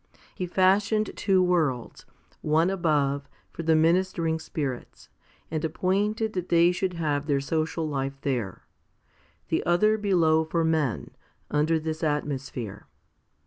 He fashioned two worlds one above, for the ministering spirits* and appointed that they should have their social life there \ the other below for men, under this atmosphere.